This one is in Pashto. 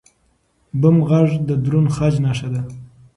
بم غږ د دروند خج نښه ده.